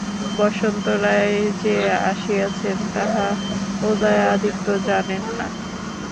বসন্ত রায় যে আসিয়াছেন, তাহা উদয়াদিত্য জানেন না।